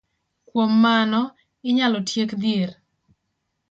Kuom mano, inyalo tiek dhier